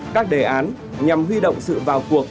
các đề án nhằm huy động sự vào cuộc